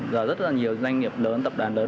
và rất là nhiều doanh nghiệp lớn tập đoàn lớn